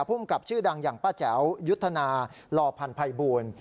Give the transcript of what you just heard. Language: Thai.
ภูมิกับชื่อดังอย่างป้าแจ๋วยุทธนาลอพันธ์ภัยบูรณ์